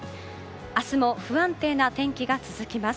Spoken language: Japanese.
明日も不安定な天気が続きます。